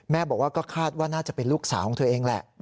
บอกว่าก็คาดว่าน่าจะเป็นลูกสาวของเธอเองแหละ